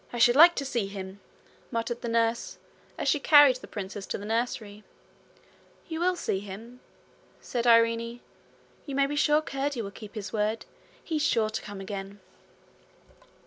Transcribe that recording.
'I should like to see him!' muttered the nurse, as she carried the princess to the nursery. 'You will see him,' said Irene. 'You may be sure Curdie will keep his word. He's sure to come again.'